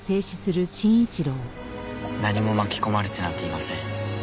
何も巻き込まれてなんていません。